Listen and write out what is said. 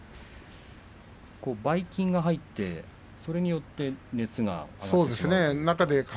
ばい菌が入ってそれによって熱が上がる。